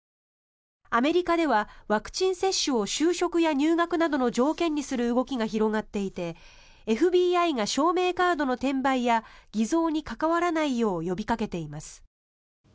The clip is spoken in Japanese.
アメリカでは、ワクチン接種を就職や入学などの条件にする動きが広がっていてＦＢＩが証明カードの転売や偽造に関わらないよう呼びかけています。